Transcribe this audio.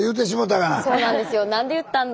そうなんですよ。